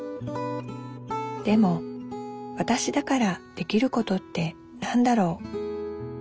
でもわたしだからできることって何だろう？